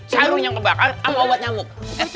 sarung yang kebakar sama obat nyamuk